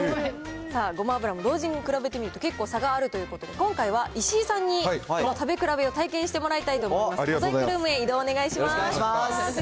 さあ、ごま油も同時に比べてみると、結構、差があるということで、今回は石井さんに食べ比べを体験してもらいたいと思います。